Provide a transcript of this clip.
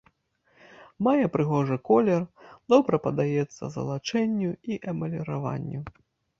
Мае прыгожы колер, добра паддаецца залачэнню і эмаліраванню.